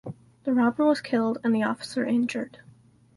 The robber was killed and the officer injured.